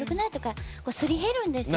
すり減るんですよ。